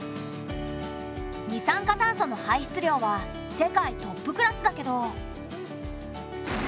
二酸化炭素の排出量は世界トップクラスだけど。